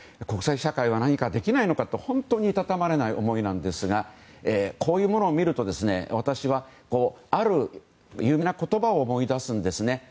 国際社会は何かできないのかと本当にいたたまれない思いなんですがこういうものを見ると私はある有名な言葉を思い出すんですね。